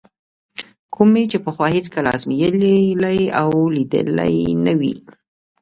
کوم چې پخوا مې هېڅکله ازمایلی او لیدلی نه وي.